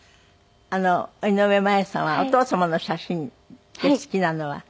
井上麻矢さんはお父様の写真で好きなのは。